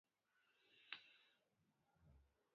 ګډون مخوکی او مشارکتي جوړښت باید تامین شي.